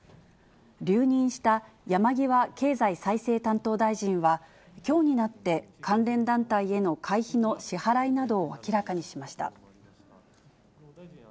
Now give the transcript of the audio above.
留任した山際経済再生担当大臣は、きょうになって、関連団体への会費の支払いなどを明らかにしました。